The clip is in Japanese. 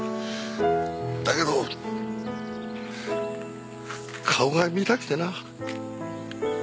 だけど顔が見たくてな。